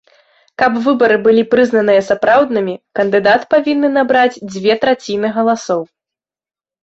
Каб выбары былі прызнаныя сапраўднымі, кандыдат павінны набраць дзве траціны галасоў.